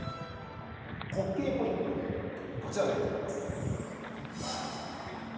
滑稽ポイントがこちらでございます。